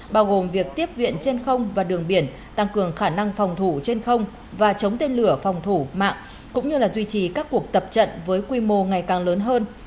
bao gồm việc tiếp viện trên không và đường biển tăng cường khả năng phòng thủ trên không và chống tên lửa phòng thủ mạng cũng như duy trì các cuộc tập trận với quy mô ngày càng lớn hơn